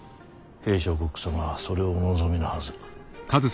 平相国様はそれをお望みのはず。